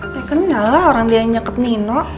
ya kenal lah orang dia yang nyekap nino